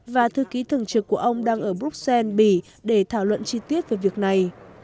và thư ký thường trực của ông đang ở bruxelles bỉ để thảo luận chi tiết về việc này